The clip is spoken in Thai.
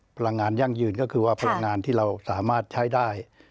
พลังงานยั่งยืนก็คือว่าพลังงานที่เราสามารถใช้ได้